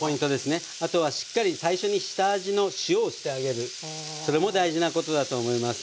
あとはしっかり最初に下味の塩をしてあげるそれも大事なことだと思います。